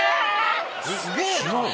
すげえな。